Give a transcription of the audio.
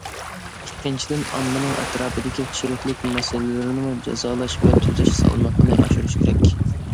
ئىككىنچىدىن، ئاممىنىڭ ئەتراپىدىكى چىرىكلىك مەسىلىلىرىنىمۇ جازالاش ۋە تۈزەش سالمىقىنى ئاشۇرۇش كېرەك.